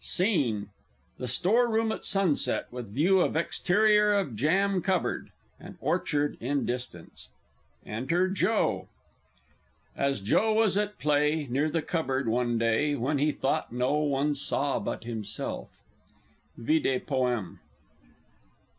SCENE The Store room at sunset with view of exterior of Jam Cupboard, and orchard in distance. Enter JOE. "As Joe was at play, Near the cupboard one day, When he thought no one saw but himself." _Vide Poem.